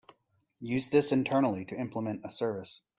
Use this internally to implement a service.